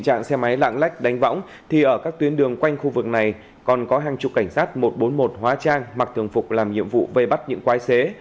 tình trạng xe máy lạng lách đánh võng thì ở các tuyến đường quanh khu vực này còn có hàng chục cảnh sát một trăm bốn mươi một hóa trang mặc thường phục làm nhiệm vụ vây bắt những quái xế